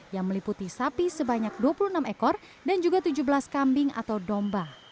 yang meliputi sapi sebanyak dua puluh enam ekor dan juga tujuh belas kambing atau domba